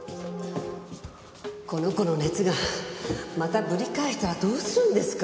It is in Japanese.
この子の熱がまたぶり返したらどうするんですか？